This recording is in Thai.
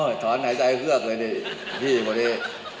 โอ้ยถอนหายใจเครือกเลยดิพี่พอดี